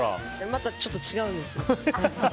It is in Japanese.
またちょっと違うんですよ。